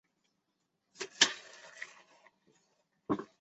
卡特农。